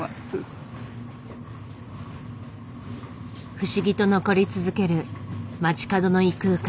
不思議と残り続ける街角の異空間